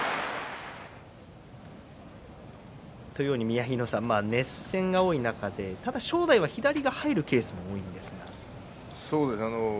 宮城野さん熱戦が多い中でただ正代は左が入るケースも多いんですが。